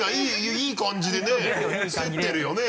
いい感じでね競ってるよね